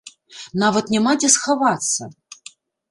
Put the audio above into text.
Нават няма дзе схавацца!